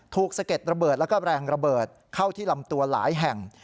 สะเก็ดระเบิดแล้วก็แรงระเบิดเข้าที่ลำตัวหลายแห่ง